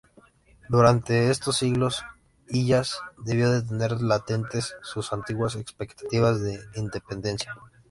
Durante estos siglos Illas debió de tener latentes sus antiguas expectativas de independencia.